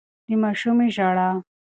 د ماشومې ژړا